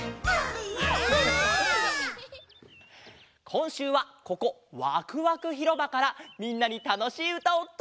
こんしゅうはここわくわくひろばからみんなにたのしいうたをとどけるよ！